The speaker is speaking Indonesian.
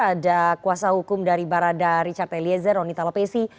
ada kuasa hukum dari barada richard eliezer roni talapesi